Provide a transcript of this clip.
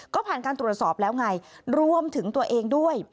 ก็ผ่านการตรวจสอบแล้วไงรวมถึงตัวเองด้วย